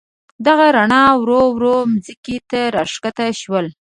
دغه رڼا ورو ورو مځکې ته راکښته شول.